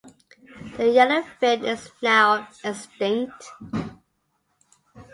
The yellowfin is now extinct.